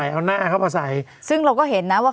เอาหน้าเข้ามาใส่ซึ่งเราก็เห็นนะว่า